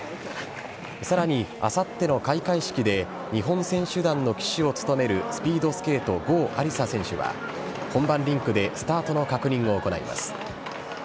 さらに、あさっての開会式で、日本選手団の旗手を務めるスピードスケート、郷亜里砂選手は、本番リンクでスタートの確認を行います。